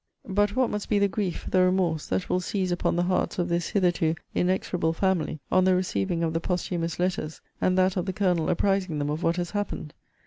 But what must be the grief, the remorse, that will seize upon the hearts of this hitherto inexorable family, on the receiving of the posthumous letters, and that of the Colonel apprizing them of what has happened?